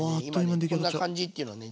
今ねこんな感じっていうのをね